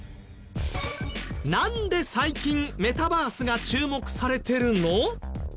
なんで最近メタバースが注目されてるの？